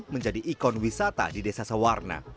menjadi ikon wisata di desa sewarna